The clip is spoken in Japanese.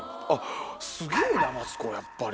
すげぇなマツコやっぱり。